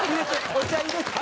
お茶入れて。